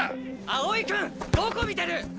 青井君どこ見てる！？